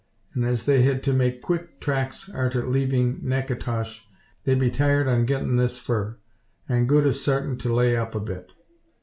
An' as they hed to make quick tracks arter leavin' Naketosh, they'd be tired on gettin' this fur, an' good as sartin to lay up a bit.